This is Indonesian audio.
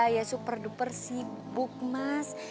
ya super duper sibuk mas